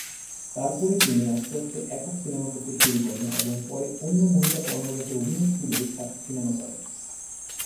তারপরে তিনি আস্তে আস্তে একক সিনেমা করতে শুরু করেন এবং পরে অন্য মহিলা পর্নোগ্রাফি অভিনেত্রীদের সাথে সিনেমা করেন।